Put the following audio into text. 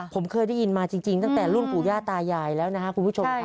ผมเคยได้ยินมาจริงตั้งแต่รุ่นปู่ย่าตายายแล้วนะครับคุณผู้ชมครับ